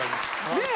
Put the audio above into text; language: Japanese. ねえ？